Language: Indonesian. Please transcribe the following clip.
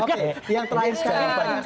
oke yang terakhir sekali